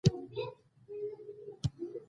هند د افغانستان ختیځ ته لوی پوله لري.